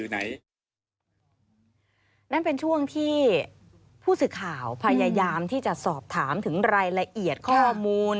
นั่นเป็นช่วงที่ผู้สื่อข่าวพยายามที่จะสอบถามถึงรายละเอียดข้อมูล